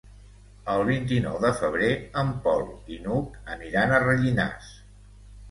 El vint-i-nou de febrer en Pol i n'Hug aniran a Rellinars.